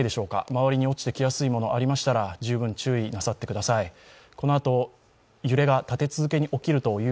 周りに落ちてきやすいものがありましたら、十分注意なさってください。